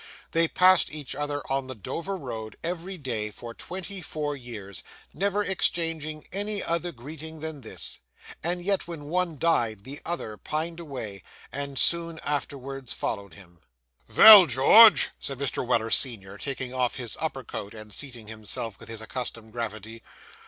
They passed each other on the Dover road, every day, for twenty four years, never exchanging any other greeting than this; and yet, when one died, the other pined away, and soon afterwards followed him! 'Vell, George,' said Mr. Weller senior, taking off his upper coat, and seating himself with his accustomed gravity.